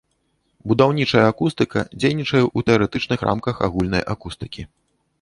Будаўнічая акустыка дзейнічае ў тэарэтычных рамках агульнай акустыкі.